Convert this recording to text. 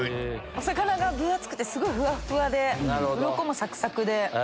お魚が分厚くてふわふわでウロコもサクサクで。